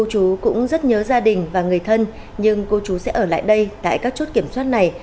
cô chú cũng rất nhớ gia đình và người thân nhưng cô chú sẽ ở lại đây tại các chốt kiểm soát này